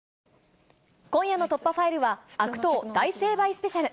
今夜の突破ファイルは、悪党大成敗スペシャル。